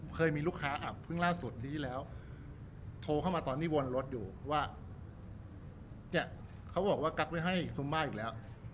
เคยมีลูกค้าอับเพิ่งล่าสุดที่แล้วโทรเข้ามาตอนที่วนรถอยู่ว่าเนี่ยเขาบอกว่ากั๊กไว้ให้ซุมมาอีกแล้ว